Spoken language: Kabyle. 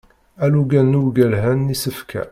Alugen n uwgelhen n isefka.